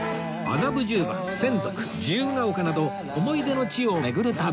麻布十番洗足自由が丘など思い出の地を巡る旅